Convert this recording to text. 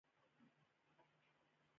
نو هغه خپله پانګه په دې کارخانه کې اچوي